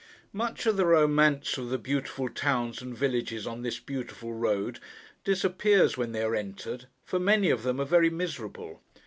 Much of the romance of the beautiful towns and villages on this beautiful road, disappears when they are entered, for many of them are very miserable.